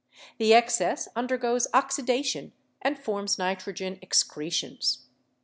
The excess undergoes oxidation and forms nitrogen excretions.